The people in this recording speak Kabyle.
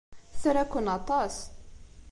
Tra-ken aṭas.